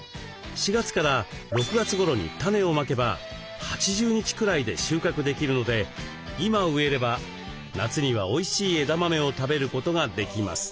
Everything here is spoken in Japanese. ４月から６月ごろにタネをまけば８０日くらいで収穫できるので今植えれば夏にはおいしい枝豆を食べることができます。